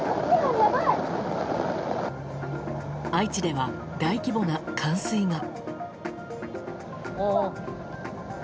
愛知では大規模な冠水が。